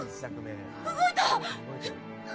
動いた！